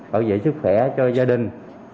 bảo vệ sức khỏe cho gia đình